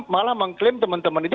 malah mengklaim teman teman itu